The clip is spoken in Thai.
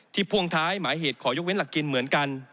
พ่วงท้ายหมายเหตุขอยกเว้นหลักกินเหมือนกัน